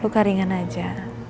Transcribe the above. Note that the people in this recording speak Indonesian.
luka ringan aja